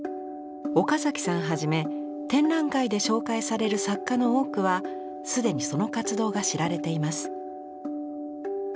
岡さんはじめ展覧会で紹介される作家の多くは既にその活動が知られています。